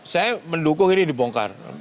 saya mendukung ini dibongkar